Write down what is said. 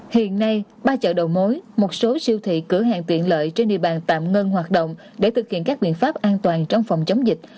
hiện nay ba chợ đầu mối một số siêu thị cửa hàng tiện lợi trên địa bàn tạm ngưng hoạt động để thực hiện các biện pháp an toàn trong phòng chống dịch